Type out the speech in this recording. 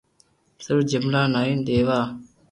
صرف جملا ٺائين ديوا